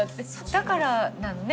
だからなのね